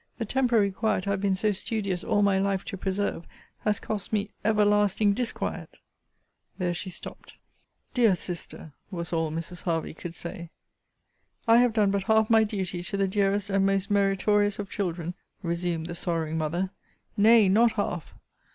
The temporary quiet I have been so studious all my life to preserve, has cost me everlasting disquiet! There she stopt. Dear Sister! was all Mrs. Hervey could say. I have done but half my duty to the dearest and most meritorious of children, resumed the sorrowing mother! Nay, not half!